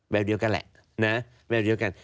แบบเดียวกันแหละนะแบบเดียวกัน